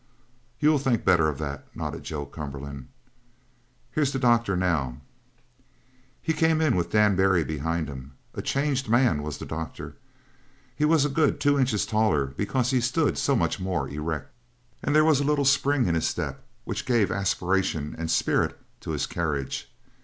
"You'll think better of that," nodded Joe Cumberland. "Here's the doctor now." He came in with Dan Barry behind him. A changed man was the doctor. He was a good two inches taller because he stood so much more erect, and there was a little spring in his step which gave aspiration and spirit to his carriage.